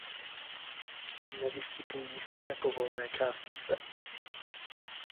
Nevyskytují se jako volné částice.